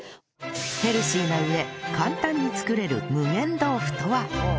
ヘルシーな上簡単に作れる無限豆腐とは？